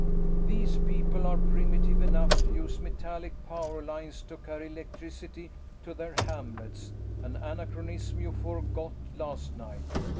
These people are primitive enough to use metallic power lines to carry electricity to their hamlets, an anachronism you forgot last night.